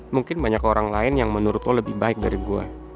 mungkin banyak orang lain yang menurut lo lebih baik dari gue